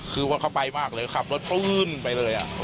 คือว่าเขาไปมากเลยขับรถปื้นไปเลย